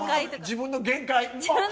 自分の限界。